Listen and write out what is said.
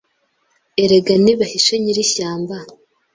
Erega nibahishe Nyirishyamba